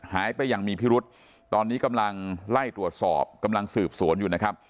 อย่างมีพิรุษตอนนี้กำลังไล่ตรวจสอบกำลังสืบสวนอยู่นะครับ